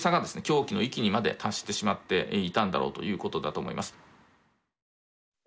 狂気の域にまで達してしまっていたんだろうということだと思います。